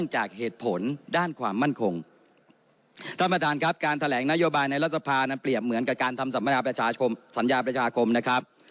ฉะนั้นท่านประธานการแถลงนโยบายในรัฐภาพนั้นเปรียบเหมือนกับการทำสัญญาปัจจาคมนะครับ